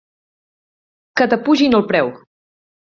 Que t'apugin el preu!